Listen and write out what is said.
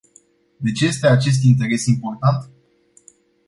De ce este acest interes important?